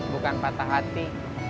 bukan patah hati